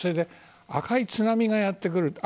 赤い津波がやってくると。